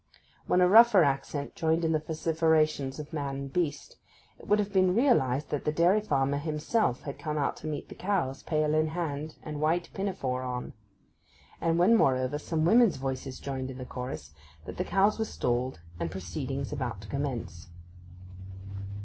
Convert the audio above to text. When a rougher accent joined in the vociferations of man and beast, it would have been realized that the dairy farmer himself had come out to meet the cows, pail in hand, and white pinafore on; and when, moreover, some women's voices joined in the chorus, that the cows were stalled and proceedings about to commence.